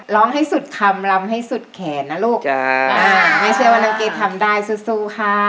ร้องให้สุดคำลำให้สุดแขนนะลูกจ้าไม่ใช่ว่าน้องเกดทำได้สู้ค่ะ